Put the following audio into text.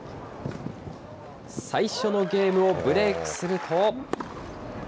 最初のゲームをブレークすると。